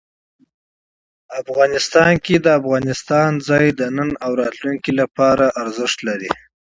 افغانستان کې د افغانستان د موقعیت د نن او راتلونکي لپاره ارزښت لري.